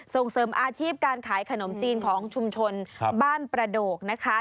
ส่งเสริมอาชีพการขายขนมจีนของชุมชนบ้านประโดกนะคะ